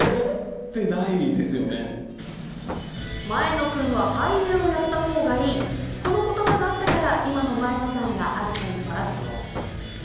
前野君は俳優をやったほうがいい、この言葉があったから今の前野さんがあるといいます。